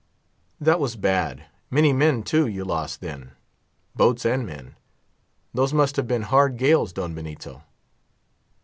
"That was bad. Many men, too, you lost then. Boats and men. Those must have been hard gales, Don Benito."